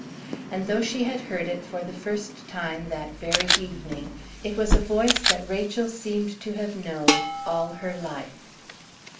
And, though she had heard it for the first time that very evening, it was a voice that Rachel seemed to have known all her life.